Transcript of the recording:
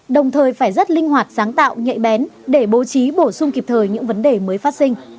đồng thời phải rất linh hoạt sáng tạo nhạy bén để bố trí bổ sung kịp thời những vấn đề mới phát sinh